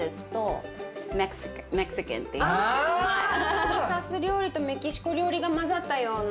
テキサス料理とメキシコ料理が混ざったような？